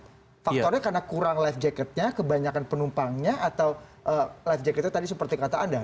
karena faktornya karena kurang life jacketnya kebanyakan penumpangnya atau life jacketnya tadi seperti kata anda